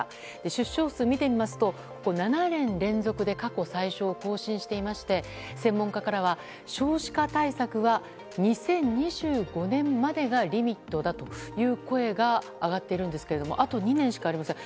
出生数見てみますと７年連続で過去最少を更新していまして専門家からは、少子化対策は２０２５年までがリミットだという声が上がっているんですがあと２年しかありません。